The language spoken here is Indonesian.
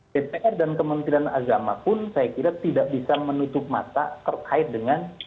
dpr dan kementerian agama pun saya kira tidak bisa menutup mata terkait dengan